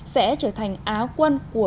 sẽ trở thành á quân